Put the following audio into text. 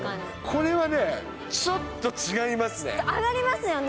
これはね、ちょっと違います上がりますよね。